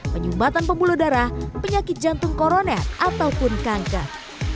penyumbatan pembuluh darah penyakit jantung koroner ataupun kanker